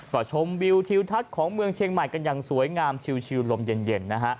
กระชมวิวทีลทักของเมืองเชียงหมายกันอย่างสวยงามชิวลมเย็น